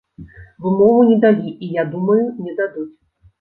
Вымову не далі, і я думаю, не дадуць.